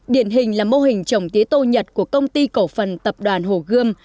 điển hình là mô hình trồng tí tô nhật của công ty cổ phần tập đoàn hồ gươm